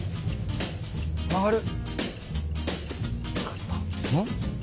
曲がる。